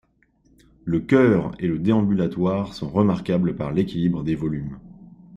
Le chœur et le déambulatoire sont remarquables par l'équilibre des volumes.